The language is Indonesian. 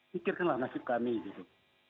pikirkanlah nasib kami gitu